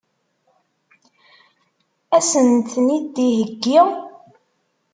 Ad sen-ten-id-iheggi?